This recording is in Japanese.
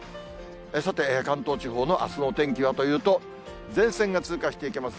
さて、関東地方のあすのお天気はというと、前線が通過していきます。